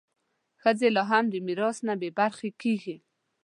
ښځې لا هم د میراث نه بې برخې کېږي.